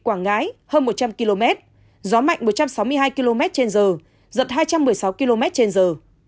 quảng ngãi hơn một trăm linh km gió mạnh một trăm sáu mươi hai km trên giờ giật hai trăm một mươi sáu km trên giờ